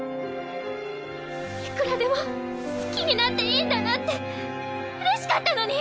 いくらでも好きになっていいんだなってうれしかったのに！